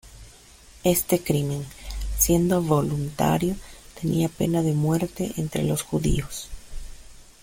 Este crimen, siendo voluntario, tenía pena de muerte entre los judíos.